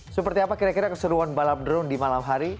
seperti apa kira kira keseruan balap drone di malam hari